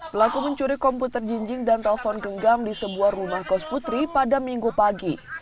pelaku mencuri komputer jinjing dan telpon genggam di sebuah rumah kos putri pada minggu pagi